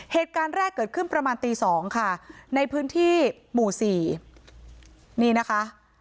เหตุการณ์แรกเกิดขึ้นประมาณตีสองค่ะในพื้นที่หมู่สี่นี่นะคะ